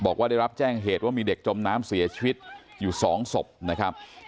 บอกว่าได้รับแจ้งเหตุว่ามีเด็กจมน้ำเสียชีวิตอยู่๒ศพนะครับ